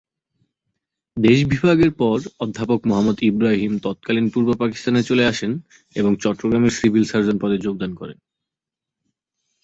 দেশ বিভাগের পর অধ্যাপক মোহাম্মদ ইব্রাহিম তৎকালীন পূর্ব পাকিস্তানে চলে আসেন এবং চট্টগ্রামের সিভিল সার্জন পদে যোগদান করেন।